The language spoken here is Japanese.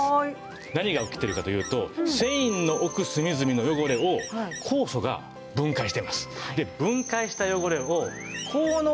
何が起きてるかというと繊維の奥隅々の汚れを酵素が分解しています。